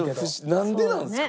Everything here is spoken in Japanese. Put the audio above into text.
なんでなんですか？